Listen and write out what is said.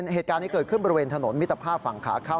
เหตุการณ์นี้เกิดขึ้นบริเวณถนนมิตรภาพฝั่งขาเข้า